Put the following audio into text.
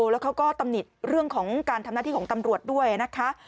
แล้วเขาก็ตำหนิเรื่องของการทำหน้าที่ของตำรวจด้วยนะคะ